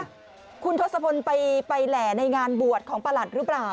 คุณทศพลไปแหล่ในงานบวชของประหลัดหรือเปล่า